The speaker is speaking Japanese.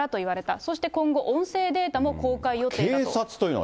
そして今後、音声データも公開予定だと。